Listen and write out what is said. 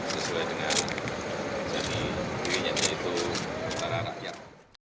sesuai dengan menjadi dirinya yaitu antara rakyat